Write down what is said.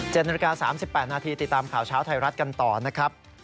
นาฬิกา๓๘นาทีติดตามข่าวเช้าไทยรัฐกันต่อนะครับ